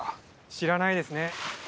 知らないですね。